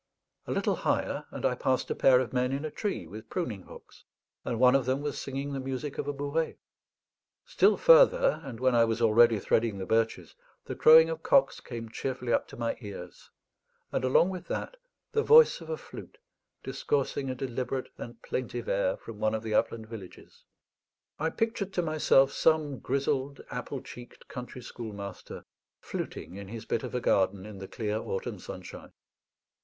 A little higher, and I passed a pair of men in a tree with pruning hooks, and one of them was singing the music of a bourrée. Still further, and when I was already threading the birches, the crowing of cocks came cheerfully up to my ears, and along with that the voice of a flute discoursing a deliberate and plaintive air from one of the upland villages. I pictured to myself some grizzled, apple cheeked, country schoolmaster fluting in his bit of a garden in the clear autumn sunshine.